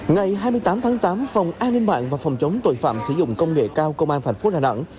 ngày hai mươi tám tháng tám phòng an ninh mạng và phòng chống tội phạm sử dụng công nghệ cao công an thành phố đà nẵng